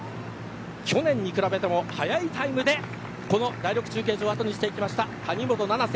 去年に比べても速いタイムで第６中継所を後にしていきました谷本七星。